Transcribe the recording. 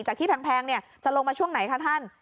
จากที่แพงจะลงมาช่วงไหนคะท่าน